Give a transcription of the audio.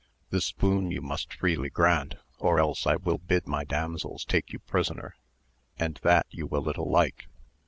this boon you must freely grant, or else I will bid my damsels take you prisoner, and that you will little like